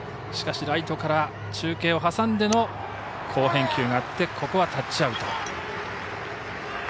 しかしライトから中継を挟んでの好返球があってここはタッチアウト。